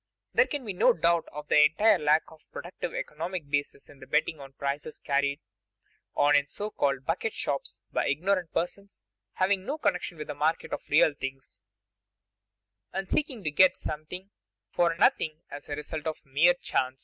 There can be no doubt of the entire lack of a productive economic basis in the betting on prices carried on in so called bucket shops by ignorant persons having no connection with the market of real things, and seeking to get something for nothing as a result of mere chance.